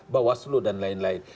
bawaslu dan lain lain